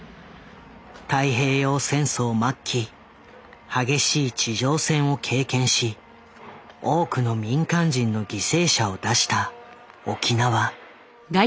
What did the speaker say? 太平洋戦争末期激しい地上戦を経験し多くの民間人の犠牲者を出した沖縄。